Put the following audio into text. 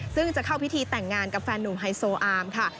ซึ่งจะเข้าพิธีแต่งงานกับแฟนหนุ่มไฮโซอามค่ะ